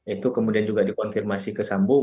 itu kemudian juga dikonfirmasi ke sambung